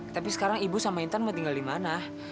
tapi sekarang ibu sama intan mau tinggal di mana